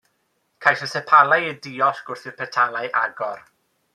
Caiff y sepalau eu diosg wrth i'r petalau agor.